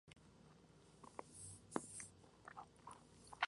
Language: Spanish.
Pertenece a la empresa Hunosa.